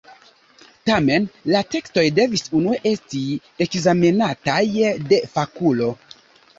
Tamen la tekstoj devis unue esti ekzamenataj de fakulo.